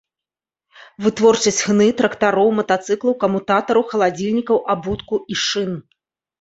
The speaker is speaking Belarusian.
Вытворчасць хны, трактароў, матацыклаў, камутатараў, халадзільнікаў, абутку і шын.